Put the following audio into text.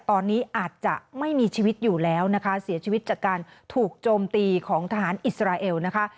ตอนนี้อาจจะไม่มีชีวิตอยู่แล้วนะคะเสียชีวิตจากการถูกโจมตีของทหารอิสราเอลนะคะ